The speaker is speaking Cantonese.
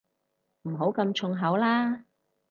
唔好咁重口啦